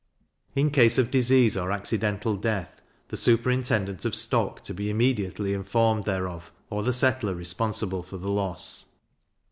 In case of disease or accidental death, the superintendant of stock to be immediately informed thereof, or the settler responsible for the loss.